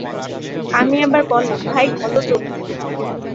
আমি আবার বললাম, ভাই, কত দূর?